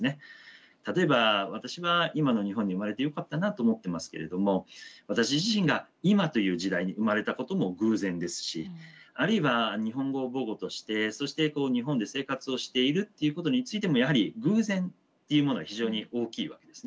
例えば私は今の日本に生まれてよかったなと思ってますけれども私自身が今という時代に生まれたことも偶然ですしあるいは日本語を母語としてそして日本で生活をしているっていうことについてもやはり偶然っていうものが非常に大きいわけですね。